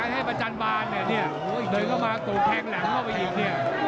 ให้ประจำบานอ่ะเนี้ยเดินเข้ามาตกแขกหลังเข้าไปอีกเนี้ย